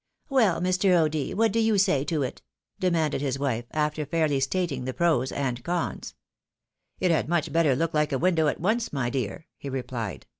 " Well, Mr. 0'D._, what do you say to it ?" demanded his wife, after fairly stating the pros and cons. " It had much better look like a window at once, my dear,'' he replied.